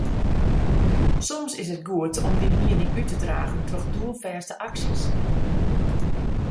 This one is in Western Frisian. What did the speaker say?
Soms is it goed om dyn miening út te dragen troch doelfêste aksjes.